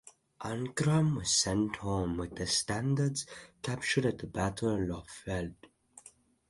Ancram was sent home with the standards captured at the Battle of Lauffeld.